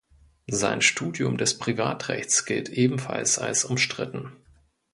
Sein Studium des Privatrechts gilt ebenfalls als umstritten.